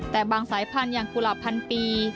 แต่บางสายพันธุ์อย่างกุหลาบพันปี